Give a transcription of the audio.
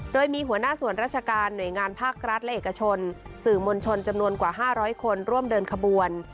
โดยมีหัวหน้าส่วนราชการหน่วยงานภาครัฐและเอกชนสื่อมวลชนจำนวนกว่า๕๐๐คนร่วมเดินขบวน